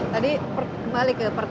serius bahwa pemprov